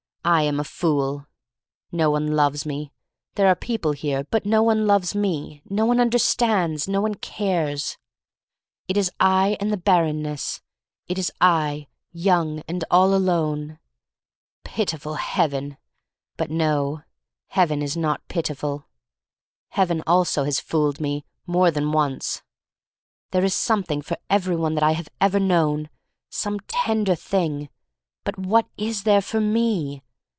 I am a fool. No one loves me. There are people here. But no one loves me — no one' understands — no one cares 315 3l6 THE STORY OF MARY MAC LANE It is I and the barrenness. It is I — young and all alone. Pitiful Heaven! — ^but no, Heaven is not pitiful. Heaven also has fooled me, more than once. There is something for every one that I have ever known — some tender thing. But what is there for me?